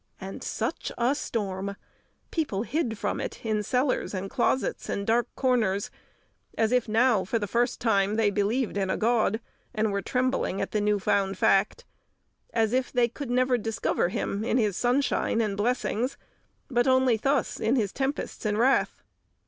And such a storm! People hid from it in cellars and closets and dark corners, as if now, for the first time, they believed in a God, and were trembling at the new found fact; as if they could never discover Him in His sunshine and blessings, but only thus in His tempests and wrath.